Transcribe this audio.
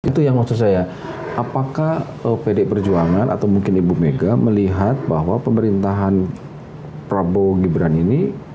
itu yang maksud saya apakah pd perjuangan atau mungkin ibu mega melihat bahwa pemerintahan prabowo gibran ini